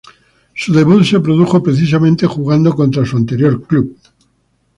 Su debut se produjo precisamente jugando contra su anterior club.